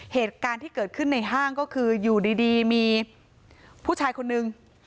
เหตุการณ์ที่เกิดขึ้นในห้างก็คืออยู่ดีมีผู้ชายคนนึง